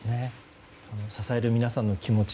支える皆さんの気持ち